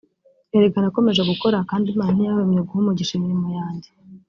Erega nakomeje gukora kandi Imana ntiyahwemye guha umugisha imirimo yanjye